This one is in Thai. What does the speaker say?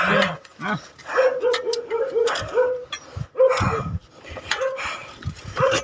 จัดกระบวนพร้อมกัน